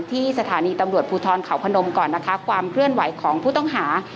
ที่สถานีตำรวจภูทรเขาพนมก่อนนะคะความเคลื่อนไหวของผู้ต้องหา